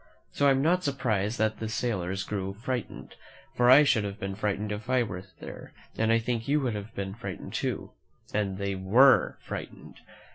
So I am not surprised that the sailors grew frightened, for I should have been fright ened if I were there, and I think you would have been frightened too. And they were frightened.